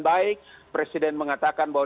baik presiden mengatakan bahwa